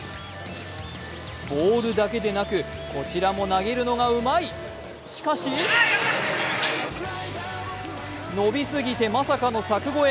ボールだけでなく、こちらも投げるのがうまい、しかし伸びすぎてまさかの柵越え。